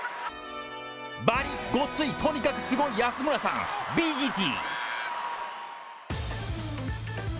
バリ、ごっつい、とにかくすごい安村さん、ＢＧＴ！